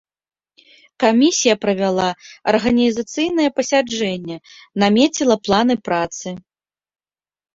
Камісія правяла арганізацыйнае пасяджэнне, намеціла план працы.